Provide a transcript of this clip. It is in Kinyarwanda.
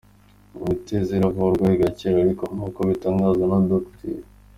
Imitezi iravurwa igakira, ariko nk’uko bitangazwa na Dr.